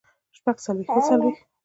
شپږ څلوېښت اووه څلوېښت